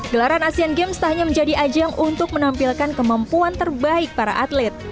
gelaran asean games tak hanya menjadi ajang untuk menampilkan kemampuan terbaik para atlet